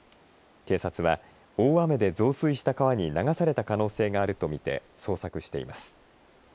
警察は大雨で増水した川に流された可能性があると見て捜索しています。